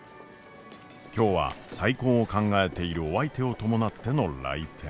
今日は再婚を考えているお相手を伴っての来店。